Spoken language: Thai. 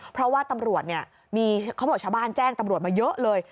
เพราะว่าตำรวจเนี่ยมีเขาบอกชาวบ้านแจ้งตำรวจมาเยอะเลย